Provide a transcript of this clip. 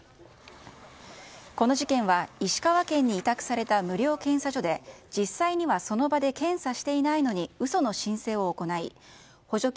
この事件は石川県に委託された無料検査所で実際にはその場で検査していないのに嘘の申請を行い補助金